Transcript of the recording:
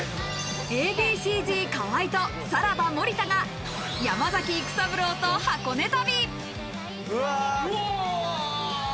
Ａ．Ｂ．Ｃ−Ｚ・河合とさらば・森田が山崎育三郎と箱根旅。